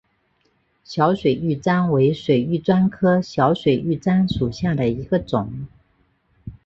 小水玉簪为水玉簪科小水玉簪属下的一个种。